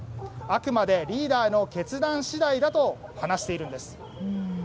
あくまでリーダーの決断次第だと話しているんです。